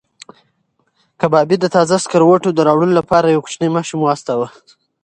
کبابي د تازه سکروټو د راوړلو لپاره یو کوچنی ماشوم واستاوه.